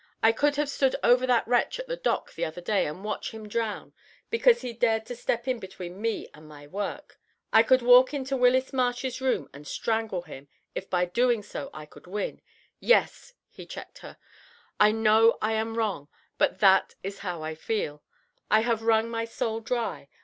I could have stood over that wretch at the dock, the other day, and watched him drown, because he dared to step in between me and my work, I could walk into Willis Marsh's room and strangle him, if by so doing I could win. Yes!" he checked her, "I know I am wrong, but that is how I feel. I have wrung my soul dry.